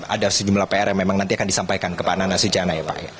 ada sejumlah pr yang memang nanti akan disampaikan kepada nasu ciana ya pak